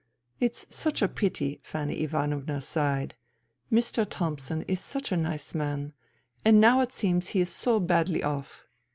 " It's such a pity," Fanny Ivanovna sighed. " Mr. Thomson is such a nice man. And now it seems he is so badly off.